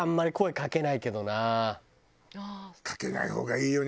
かけない方がいいよね。